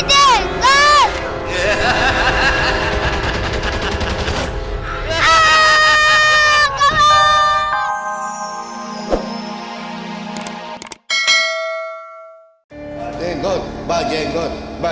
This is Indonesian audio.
the god bajaenggot baa